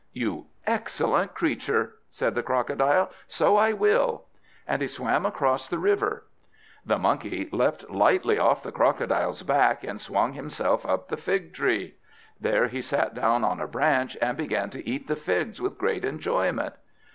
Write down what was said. "You excellent creature!" said the Crocodile, "so I will!" And he swam across the river. The Monkey leapt lightly off the Crocodile's back, and swung himself up the fig tree. Then he sat down on a branch, and began to eat the figs with great enjoyment.